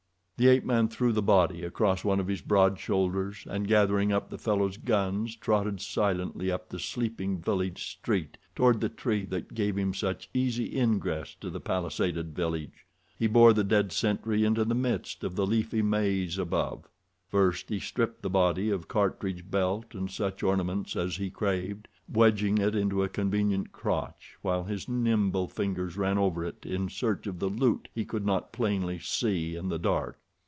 The ape man threw the body across one of his broad shoulders and, gathering up the fellow's gun, trotted silently up the sleeping village street toward the tree that gave him such easy ingress to the palisaded village. He bore the dead sentry into the midst of the leafy maze above. First he stripped the body of cartridge belt and such ornaments as he craved, wedging it into a convenient crotch while his nimble fingers ran over it in search of the loot he could not plainly see in the dark.